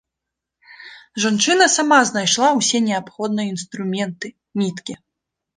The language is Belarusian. Жанчына сама знайшла ўсе неабходныя інструменты, ніткі.